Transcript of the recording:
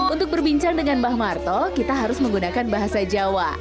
untuk berbincang dengan mbah marto kita harus menggunakan bahasa jawa